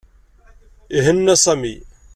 Ihenna Sami.